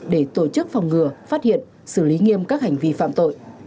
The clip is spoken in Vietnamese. để tổ chức phòng ngừa phát hiện xử lý nghiêm các hành vi phạm tội